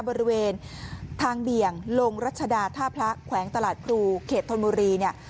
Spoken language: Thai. บริเวณทางเบี่ยงลงรัชดาท่าพระแขวงตลาดครูเขตธนบุรีเนี่ย